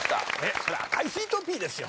それは『赤いスイートピー』ですよ。